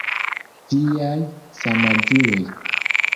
Viaj samaĝuloj.